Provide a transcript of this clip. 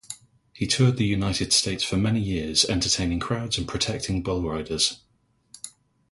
He toured the United States for many years entertaining crowds and protecting bullriders.